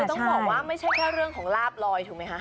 ต้องบอกว่าไม่ใช่แค่เรื่องของลาบลอยถูกไหมคะ